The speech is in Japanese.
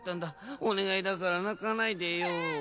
おねがいだからなかないでよ。